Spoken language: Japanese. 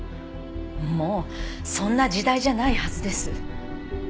もうそんな時代じゃないはずです。